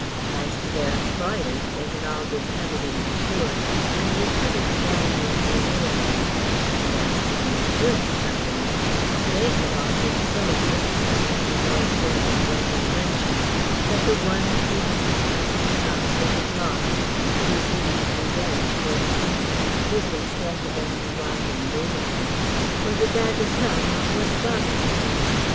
As to their employers, they had all been heavily insured, and recovered the value of their buildings; and as to the insurance companies they had all been so enriched by Mr. Lloyd George's legislation that the one or two hundred thousand pounds they had lost, through Vivie's revenge for the seemingly fruitless death of Emily Wilding Davison, was a bagatelle not worth bothering about.